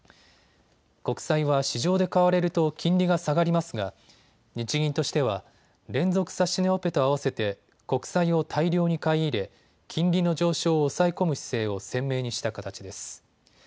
国債は市場で買われると金利が下がりますが日銀としては連続指値オペと合わせて国債を大量に買い入れ金利の上昇を抑え込む姿勢を鮮明にした形です。